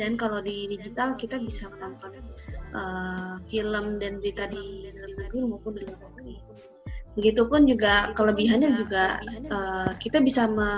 dan kalau di digital kita bisa nonton episode otlldg kiru jalan sinai